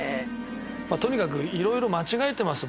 とにかくいろいろ間違えてます